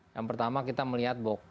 yang pertama kita melihat box